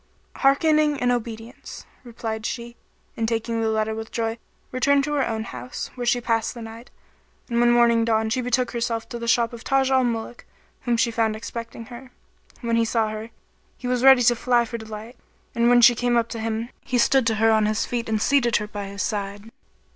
" "Hearkening and obedience," replied she, and taking the letter with joy, returned to her own house, where she passed the night; and when morning dawned she betook herself to the shop of Taj al Muluk whom she found expecting her. When he saw her, he was ready to fly[FN#35] for delight, and when she came up to him, he stood to her on his feet and seated her by his side.